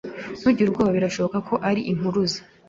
Ntugire ubwoba. Birashoboka ko ari impuruza.